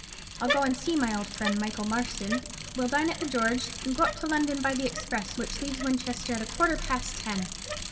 I'll go and see my old friend Michael Marston; we'll dine at the George, and go up to London by the express which leaves Winchester at a quarter past ten.